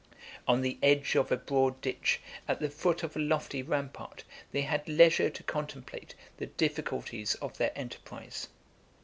65 On the edge of a broad ditch, at the foot of a lofty rampart, they had leisure to contemplate the difficulties of their enterprise.